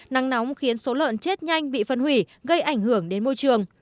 nắng nóng khiến số lợn chết nhanh bị phân hủy gây ảnh hưởng đến môi trường